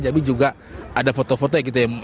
tapi juga ada foto foto yang kita yang